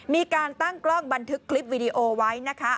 มีการตั้งกล้องบันทึกคลิปวิดีโอไว้นะคะ